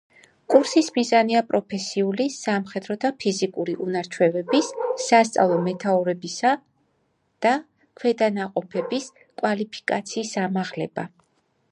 კურსის მიზანია პროფესიული, სამხედრო და ფიზიკური უნარ-ჩვევების, სასწავლო მეთაურებისა და ქვედანაყოფების კვალიფიკაციის ამაღლება.